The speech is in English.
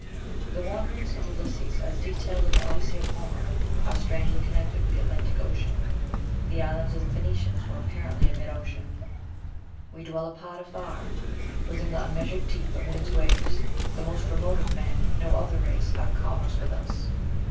The wanderings of Ulysses, as detailed in the "Odyssey" of Homer, are strangely connected with the Atlantic Ocean. The islands of the Phoenicians were apparently in mid ocean: We dwell apart, afar Within the unmeasured deep, amid its waves The most remote of men; no other race Hath commerce with us.